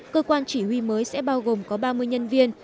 cơ quan chỉ huy mới sẽ bao gồm có ba mươi nhân viên